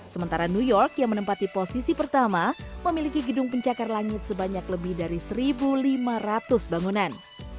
sementara new york yang menempati posisi pertama memiliki gedung pencakar langit sebanyak lebih dari satu lima ratus bangunan